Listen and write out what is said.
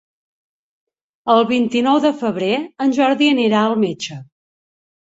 El vint-i-nou de febrer en Jordi anirà al metge.